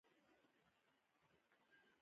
په پاکستان کښې چې ورته آى اس آى وايي.